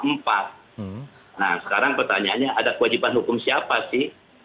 nah sekarang pertanyaannya ada kewajiban hukum siapa sih